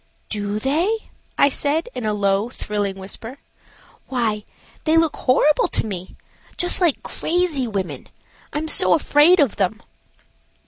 "Do they?" I said, in a low, thrilling whisper. "Why, they look horrible to me; just like crazy women. I am so afraid of them."